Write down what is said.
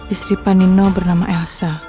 istri panino bernama elsa